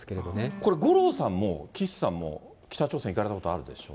これ五郎さんも、岸さんも北朝鮮行かれたことあるでしょ？